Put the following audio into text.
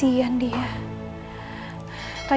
tidak tentu tidak yem eventualis